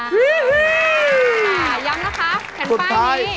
ย้ำนะคะแผ่นป้ายนี้